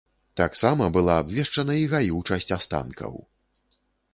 Таксама была абвешчана і гаючасць астанкаў.